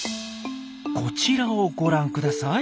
こちらをご覧ください。